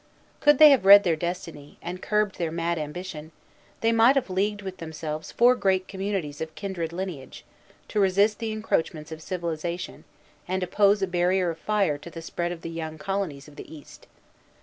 Could they have read their destiny, and curbed their mad ambition, they might have leagued with themselves four great communities of kindred lineage, to resist the encroachments of civilization, and oppose a barrier of fire to the spread of the young colonies of the East.